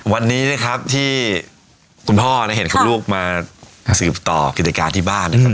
วันนี้นะครับที่คุณพ่อเห็นคุณลูกมาสืบต่อกิจการที่บ้านนะครับ